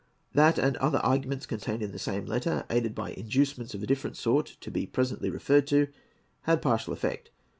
That and other arguments contained in the same letter, aided by inducements of a different sort, to be presently referred to, had partial effect.